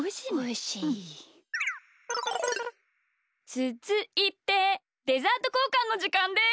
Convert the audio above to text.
つづいてデザートこうかんのじかんです！